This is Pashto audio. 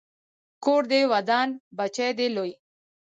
کور دې ودان، بچی دې لوی